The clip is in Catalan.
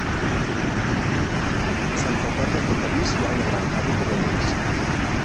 Se'n recorda que a París hi ha una gran fàbrica de lleis.